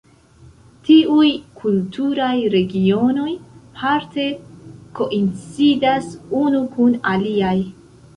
Tiuj kulturaj regionoj parte koincidas unu kun aliaj.